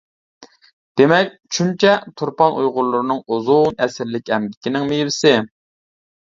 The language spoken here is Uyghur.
دېمەك، «چۈنچە» تۇرپان ئۇيغۇرلىرىنىڭ ئۇزۇن ئەسىرلىك ئەمگىكىنىڭ مېۋىسى.